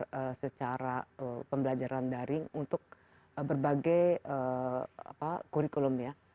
kita belajar secara pembelajaran daring untuk berbagai kurikulum ya